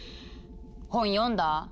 本読んだ？